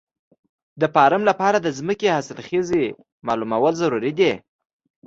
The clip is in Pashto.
د فارم لپاره د ځمکې حاصلخېزي معلومول ضروري دي.